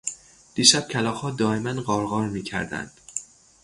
دیشب کلاغها دائما قارقار میکردند.